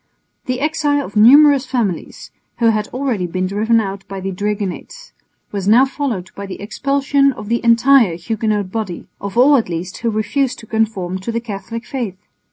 The exile of numerous families, who had already been driven out by the dragonnades, was now followed by the expulsion of the entire Huguenot body, of all at least who refused to conform to the Catholic faith.